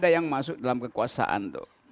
ada yang masuk dalam kekuasaan